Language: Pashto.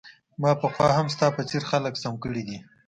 ما پخوا هم ستا په څیر خلک سم کړي دي